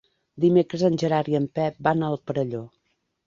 Dimecres en Gerard i en Pep van al Perelló.